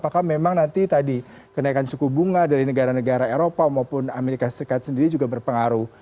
karena nanti tadi kenaikan suku bunga dari negara negara eropa maupun amerika serikat sendiri juga berpengaruh